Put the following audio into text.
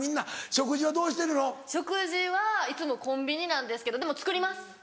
食事はいつもコンビニなんですけどでも作ります。